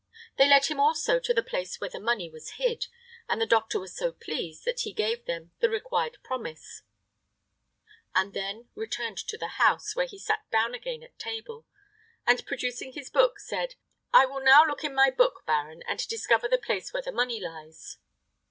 They led him also to the place where the money lay hid, and the doctor was so pleased that he gave them the required promise, and then returned to the house, where he sat down again at table, and, producing his book, said: "I will now look in my book, baron, and discover the place where the money lies."